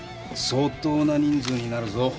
相当な人数になるぞ。